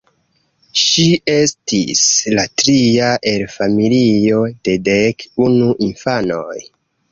Ŝi estis la tria el familio de dek unu infanoj.